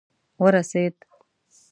ورسېد.